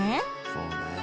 そうね